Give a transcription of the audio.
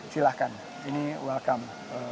silahkan ini welcome